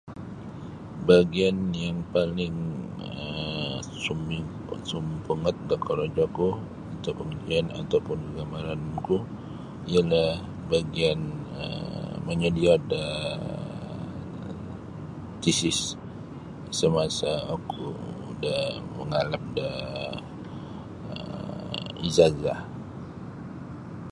Bagian yang paling um suming sampungot da korojoku atau bagian kagamaranku iyo nio bagian moyodio daa tesis semasa oku da mangalap daa um ijazah